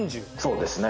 そうですね。